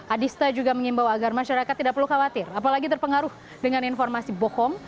adista juga mengimbau agar masyarakat tidak perlu khawatir apalagi terpengaruh dengan informasi bohong